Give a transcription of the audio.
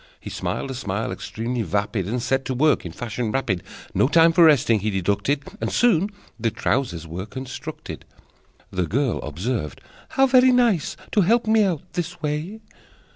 He smiled a smile extremely vapid, And set to work in fashion rapid; No time for resting he deducted, And soon the trousers were constructed. The girl observed: "How very nice To help me out this way!"